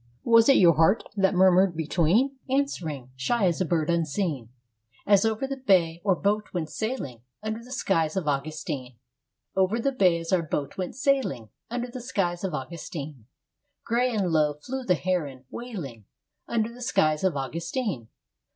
Was it your heart that murmured between, Answering, shy as a bird unseen? As over the bay our boat went sailing Under the skies of Augustine. III Over the bay as our boat went sailing Under the skies of Augustine, Gray and low flew the heron, wailing Under the skies of Augustine.